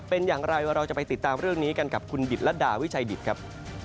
เป็นอย่างไรเราจะไปติดตามเรื่องนี้กันกับคุณดิตรดาวิชัยดิตครับ